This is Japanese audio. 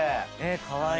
かわいい。